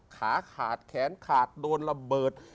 ขาขาดแขนขาดโดนระเบิด